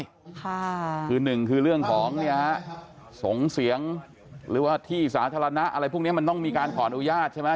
ค่ะคือหนึ่งคือเรื่องของเนี่ยฮะส่งเสียงหรือว่าที่สาธารณะอะไรพวกเนี้ยมันต้องมีการขออนุญาตใช่ไหม